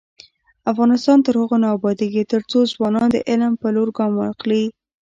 افغانستان تر هغو نه ابادیږي، ترڅو ځوانان د علم په لور ګام واخلي.